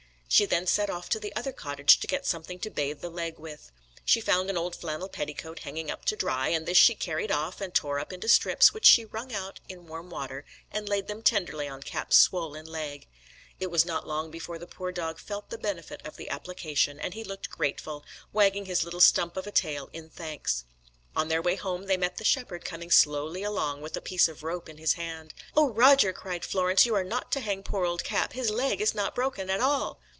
She then set off to the other cottage to get something to bathe the leg with. She found an old flannel petticoat hanging up to dry, and this she carried off, and tore up into strips, which she wrung out in warm water, and laid them tenderly on Cap's swollen leg. It was not long before the poor dog felt the benefit of the application, and he looked grateful, wagging his little stump of a tail in thanks. On their way home they met the shepherd coming slowly along, with a piece of rope in his hand. "Oh, Roger," cried Florence, "you are not to hang poor old Cap; his leg is not broken at all."